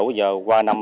bây giờ qua năm